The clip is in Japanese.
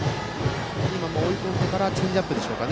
今のも追い込んでからチェンジアップでしょうか。